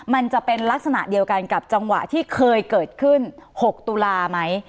มันจะเป็นลักษณะเดียวกันกับจังหวะที่เคยเกิดขึ้น๖ตุลาไหม